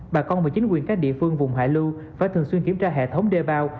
bà con và chính quyền các địa phương vùng hạ lưu phải thường xuyên kiểm tra hệ thống đê bao